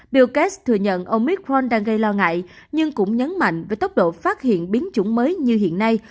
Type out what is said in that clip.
bill gates thừa nhận omicron đang gây lo ngại nhưng cũng nhấn mạnh với tốc độ phát hiện biến chủng mới như hiện nay